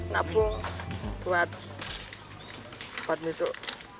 nabung buat misuk